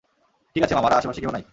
ঠিক আছে, মামারা, আশেপাশে কেউ নাই।